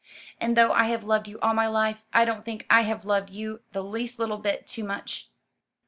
"And though I have loved you all my life, I don't think I have loved you the least little bit too much."